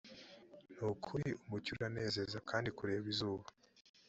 ni ukuri umucyo uranezeza kandi kureba izuba